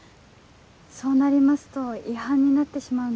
そうなりますと違反になってしまうんです。